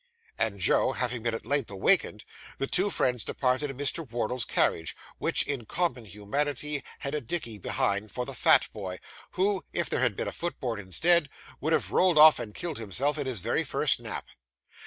And Joe having been at length awakened, the two friends departed in Mr. Wardle's carriage, which in common humanity had a dickey behind for the fat boy, who, if there had been a footboard instead, would have rolled off and killed himself in his very first nap.